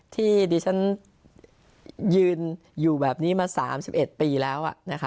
ที่ดิฉันยืนอยู่แบบนี้มา๓๑ปีแล้วนะคะ